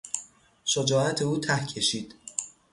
شجاعت او ته کشید.